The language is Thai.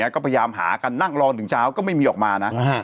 ก็พยายามหากันนั่งรอถึงเช้าก็ไม่มีออกมานะ